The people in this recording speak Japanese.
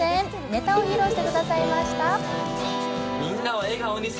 ネタを披露してくださいました。